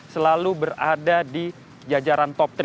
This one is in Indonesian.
selalu berada di jajaran top tiga